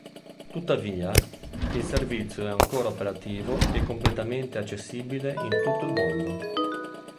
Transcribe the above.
Tuttavia, il servizio è ancora operativo e completamente accessibile in tutto il mondo.